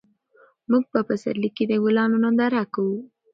موږ په پسرلي کې د ګلانو ننداره کوو.